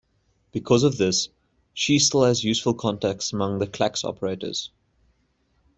Because of this, she still has useful contacts amongst the clacks operators.